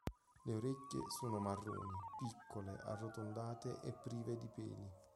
Le orecchie sono marroni, piccole, arrotondate e prive di peli.